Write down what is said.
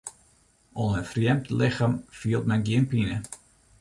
Oan in frjemd lichem fielt men gjin pine.